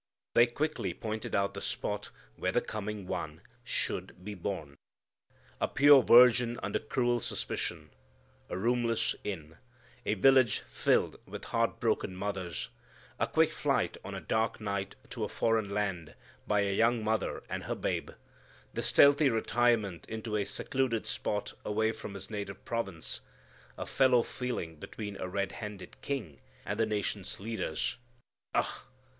They quickly pointed out the spot where the coming One should be born. A pure virgin under cruel suspicion, a roomless inn, a village filled with heart broken mothers, a quick flight on a dark night to a foreign land by a young mother and her babe, the stealthy retirement into a secluded spot away from his native province, a fellow feeling between a red handed king and the nation's leaders ugh!